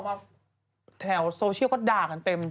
หลังจากออกมาแถวโซเชียลก็ด่ากันเต็ม